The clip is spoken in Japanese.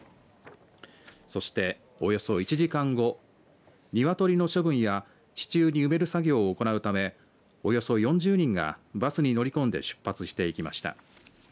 そして、およそ１時間後鶏の処分や地中に埋める作業を行うためおよそ４０人がバスに乗り込んで出発していきました。